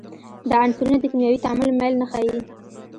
دا عنصرونه د کیمیاوي تعامل میل نه ښیي.